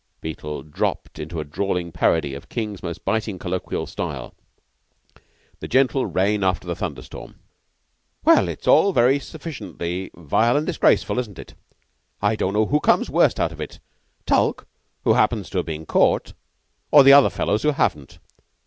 Beetle dropped into a drawling parody of King's most biting colloquial style the gentle rain after the thunder storm. "Well, it's all very sufficiently vile and disgraceful, isn't it? I don't know who comes out of it worst: Tulke, who happens to have been caught; or the other fellows who haven't.